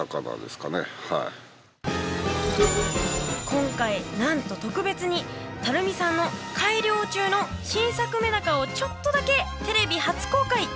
今回なんと特別に垂水さんの改良中の新作メダカをちょっとだけテレビ初公開！